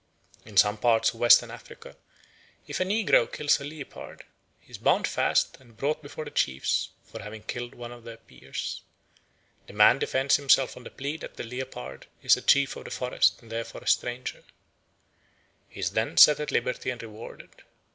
In some parts of Western Africa if a negro kills a leopard he is bound fast and brought before the chiefs for having killed one of their peers. The man defends himself on the plea that the leopard is chief of the forest and therefore a stranger. He is then set at liberty and rewarded.